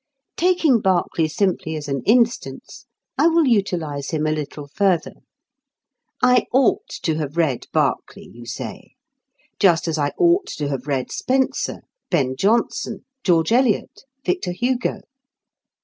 Taking Berkeley simply as an instance, I will utilise him a little further. I ought to have read Berkeley, you say; just as I ought to have read Spenser, Ben Jonson, George Eliot, Victor Hugo.